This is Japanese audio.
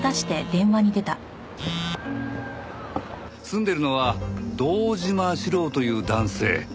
住んでいるのは堂島志郎という男性。